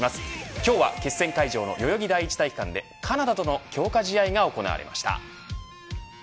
今日は決戦会場の代々木第一体育館でカナダとの強化試合が行われました。